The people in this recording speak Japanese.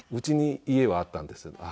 家に家はあったんです。